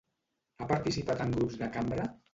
Ha participat en grups de cambra?